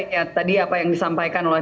ya tadi apa yang disampaikan oleh